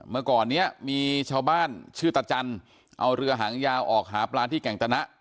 เมื่อก่อนนี้มีชาวบ้านชื่อตะจันเอาเรือหางยาวออกหาปลาที่แก่งตนะ